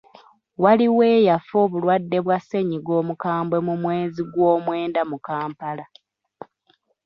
Waaliwo eyafa obulwadde bwa ssennyiga omukambwe mu mwezi gwomwenda mu Kampala.